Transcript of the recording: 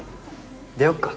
出ようか。